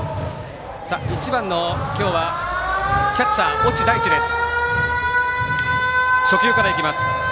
１番の今日はキャッチャー越智大地です。